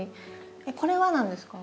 これは何ですか？